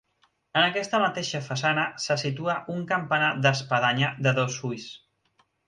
En aquesta mateixa façana se situa un campanar d'espadanya de dos ulls.